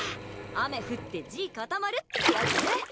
雨降って地固まるってやつ？